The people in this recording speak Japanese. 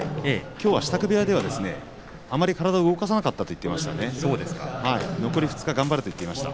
きょうは支度部屋ではあまり体を動かさなかったと言っていました。